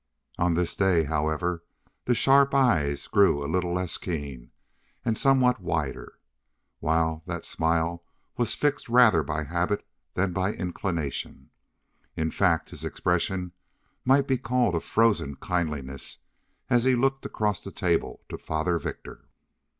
On this day, however, the sharp eyes grew a little less keen and somewhat wider, while that smile was fixed rather by habit than inclination. In fact, his expression might be called a frozen kindliness as he looked across the table to Father Victor.